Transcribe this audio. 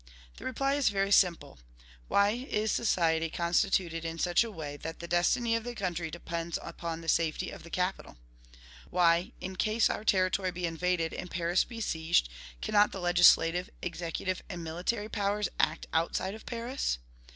The reply is very simple. Why is society constituted in such a way that the destiny of the country depends upon the safety of the capital? Why, in case our territory be invaded and Paris besieged, cannot the legislative, executive, and military powers act outside of Paris?